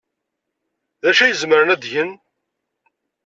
D acu ay zemren ad gen?